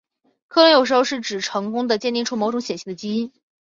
克隆有时候是指成功地鉴定出某种显性的基因。